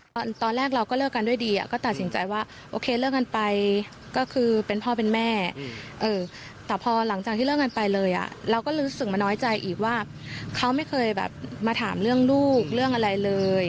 ตอนแรกเราก็เลิกกันด้วยดีก็ตัดสินใจว่าโอเคเลิกกันไปก็คือเป็นพ่อเป็นแม่แต่พอหลังจากที่เลิกกันไปเลยเราก็รู้สึกมาน้อยใจอีกว่าเขาไม่เคยแบบมาถามเรื่องลูกเรื่องอะไรเลย